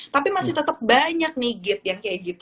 tapi masih tetap banyak nih git yang kayak gitu